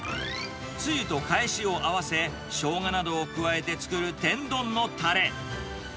つゆとかえしを合わせ、ショウガなどを加えて作る天丼のたれ。